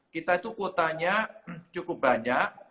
kita itu kuotanya cukup banyak